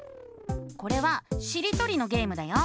これはしりとりのゲームだよ。